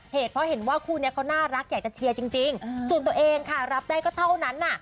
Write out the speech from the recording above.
เหตุเพราะเห็นว่าคู่นี้เขาน่ารักอยากจะเชียร์จริงส่วนตัวเองค่ะรับได้ก็เท่านั้นน่ะ